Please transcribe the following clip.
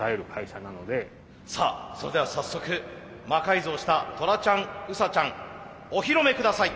さあそれでは早速魔改造したトラちゃんウサちゃんお披露目下さい。